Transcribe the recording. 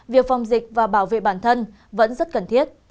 việc phòng dịch và bảo vệ bản thân vẫn rất cần thiết